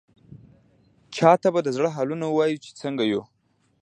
چا ته به د زړه حالونه ووايو، چې څنګه يو؟!